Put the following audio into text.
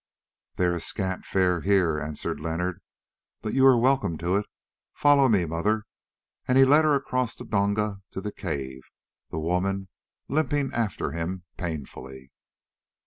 "There is scant fare here," answered Leonard, "but you are welcome to it. Follow me, mother," and he led the way across the donga to the cave, the woman limping after him painfully.